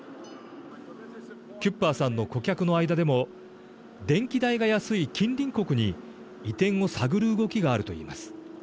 キュッパーさんの顧客の間でも電気代が安い近隣国に移転を探る動きがあると言います。